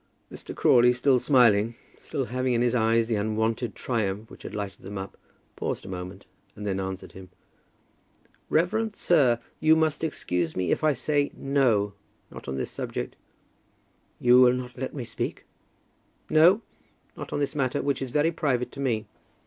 Mr. Crawley, still smiling, still having in his eyes the unwonted triumph which had lighted them up, paused a moment, and then answered him. "Reverend sir, you must excuse me if I say no, not on this subject." "You will not let me speak?" "No; not on this matter, which is very private to me.